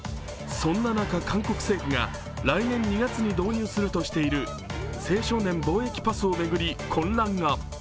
そんな中、韓国政府が来年２月に導入するとしている青少年防疫パスを巡り混乱が。